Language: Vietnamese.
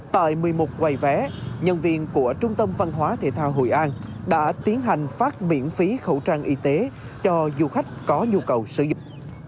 tại một mươi một quầy vé nhân viên của trung tâm văn hóa thể thao hội an đã tiến hành phát miễn phí khẩu trang y tế cho du khách có nhu cầu sử dịch